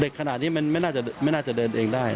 ขนาดนี้มันไม่น่าจะเดินเองได้